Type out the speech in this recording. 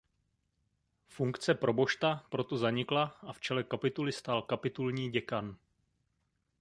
Funkce probošta proto zanikla a v čele kapituly stál kapitulní děkan.